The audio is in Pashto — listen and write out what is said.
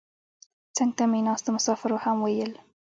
څنګ ته مې ناستو مسافرو هم ویل.